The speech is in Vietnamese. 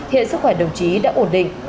hiện sức khỏe đồng chí đã ổn định